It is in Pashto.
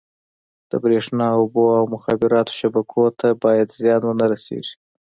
د بریښنا، اوبو او مخابراتو شبکو ته باید زیان ونه رسېږي.